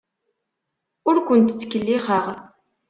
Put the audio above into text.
Ur kent-ttkellixeɣ.